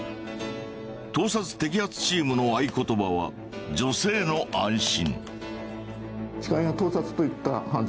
盗撮摘発チームの合言葉は女性の安心。